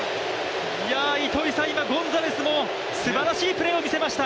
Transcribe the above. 今、ゴンザレスもすばらしいプレーを見せました。